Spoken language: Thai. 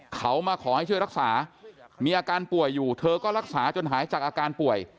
เขามาขอให้ช่วยรักษามีอาการป่วยอยู่เธอก็รักษาจนหายจากอาการป่วย